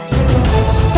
tadi aku hampir saja huala